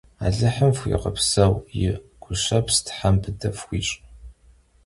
Alıhım fxuiğepseu, yi guşeps them bıde yiş'!